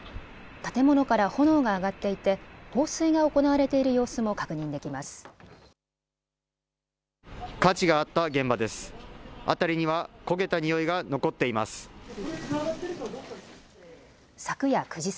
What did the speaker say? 建物から炎が上がっていて放水が行われている様子も確認できます。